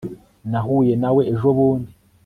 nahuye nawe ejobundi